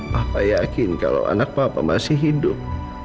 bapak yakin kalau anak papa masih hidup